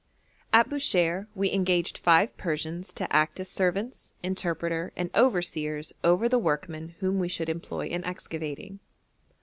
At Bushire we engaged five Persians to act as servants, interpreter, and overseers over the workmen whom we should employ in excavating.